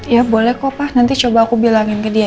ya boleh kok pak nanti coba aku bilangin ke dia